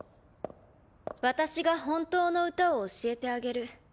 私が本当の歌を教えてあげる。